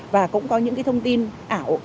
và cũng có những cái thông tin ảo